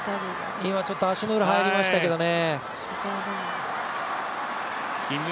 今ちょっと足の裏、入りましたけどね。